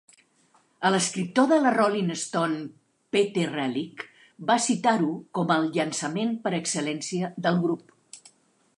L'escriptor de la "Rolling Stone" Pete Relic va citar-ho com el "llançament per excel·lència" del grup.